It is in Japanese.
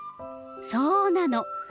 そうなの。